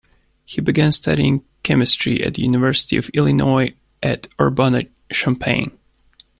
He began studying chemistry at the University of Illinois at Urbana-Champaign.